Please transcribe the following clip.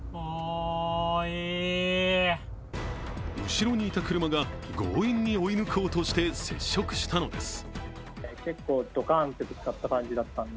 後ろにいた車が強引に追い抜こうとして接触したのです。